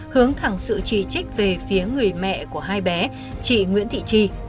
hướng thẳng sự chỉ trích về phía người mẹ của hai bé chị nguyễn thị tri